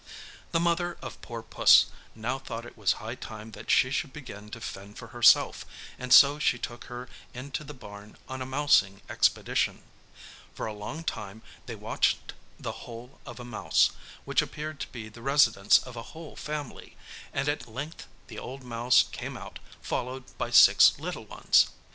The mother of poor Puss now thought it was high time that she should begin to fend for herself, and so she took her into the barn on a mousing expedition. For a long time they watched the hole of a mouse, which appeared to be the residence of a whole family, and at length the old mouse came out followed by six little ones.